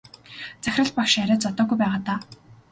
Захирал багш арай зодоогүй байгаа даа.